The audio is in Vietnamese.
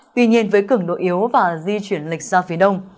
tuy nhiên với cứng độ yếu và di chuyển lịch ra phía đông